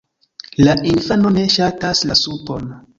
La infano ne ŝatas la supon.